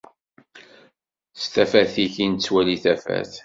S tafat-ik i nettwali tafat.